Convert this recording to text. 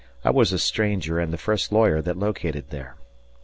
I was a stranger and the first lawyer that located there.